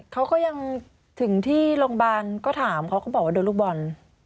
เขาก็ยังถึงที่โรงพยาบาลก็ถามเขาก็บอกว่าโดนลูกบอล